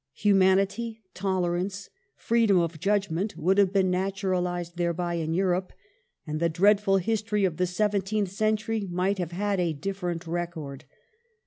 Humanity, tolerance, freedom of judgment, would have been naturalized thereby in Europe, and the dreadful history of the seven teenth century might have had a different record.